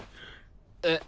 えっ？